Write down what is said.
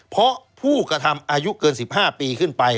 เพราะผู้กระทำอายุเกิน๑๕ปีขึ้นไป